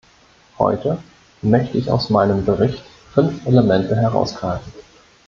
Heute möchte ich aus meinem Bericht fünf Elemente herausgreifen.